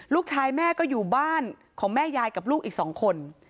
ลูกชายแม่ก็อยู่บ้านของแม่ยายกับลูกอีก๒คน